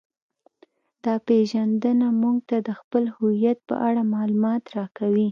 دا پیژندنه موږ ته د خپل هویت په اړه معلومات راکوي